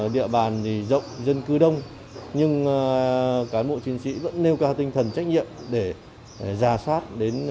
địa bàn thì rộng dân cư đông nhưng cán bộ chiến sĩ vẫn nêu cao tinh thần trách nhiệm để giả soát đến